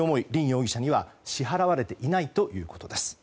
容疑者には支払われていないということです。